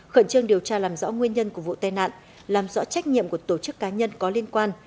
khẩn trương điều tra làm rõ nguyên nhân của vụ tai nạn làm rõ trách nhiệm của tổ chức cá nhân có liên quan